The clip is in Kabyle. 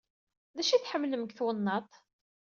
D acu ay tḥemmlem deg twennaḍt?